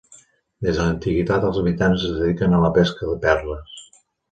Des de l'antiguitat els habitants es dediquen a la pesca de perles.